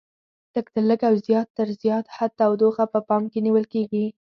لږ تر لږه او زیات تر زیات حد تودوخه په پام کې نیول کېږي.